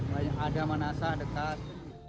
kalau di sini kan ada manasah dekat